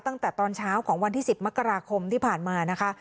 ตั้งแต่ตอนเช้าของวันที่๑๐มกราคมที่ผ่านมานะคะ